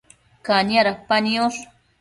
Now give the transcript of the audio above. Cania dapa niosh